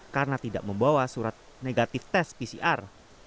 karena tidak membawa surat negatif tes pcr